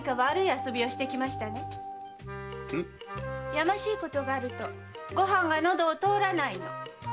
やましいことがあるとご飯がのどを通らないの。